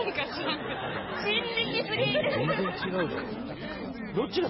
「雰囲気全然違うじゃん」